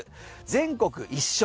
全国一緒。